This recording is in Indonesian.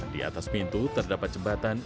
di atas pintu terdapat jembatan